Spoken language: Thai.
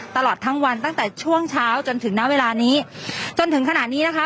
ตลอดทั้งวันตั้งแต่ช่วงเช้าจนถึงณเวลานี้จนถึงขณะนี้นะคะ